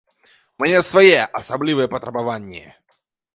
У мяне свае, асаблівыя патрабаванні.